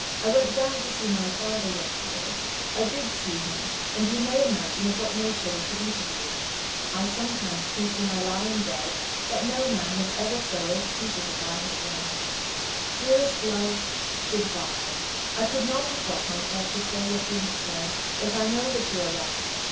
I went down to see my father yesterday. I did see him, and you may imagine of what nature was the interview. I sometimes think, when I lie in bed, that no man was ever so ill treated as I have been. Dearest love, good bye. I could not have brought myself to say what you have said, but I know that you are right.